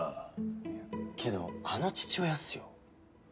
けどあの父親っすよ？